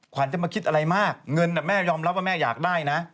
ขวัญจะมาคิดอะไรมากเงินแม่ยอมรับว่าแม่อยากได้นะ